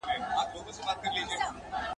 هغوی کار کاوه.